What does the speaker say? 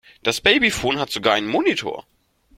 Das Babyfon hat sogar einen Monitor.